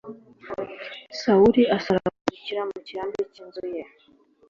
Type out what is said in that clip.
Sawuli asaragurikira mu kirambi cy ‘inzu ye.